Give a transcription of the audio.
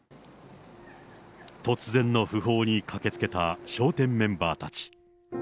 突然の訃報に駆けつけた笑点メンバーたち。